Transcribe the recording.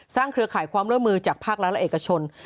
๖สร้างเครือข่ายความเริ่มมือจากภาคละละเอกชน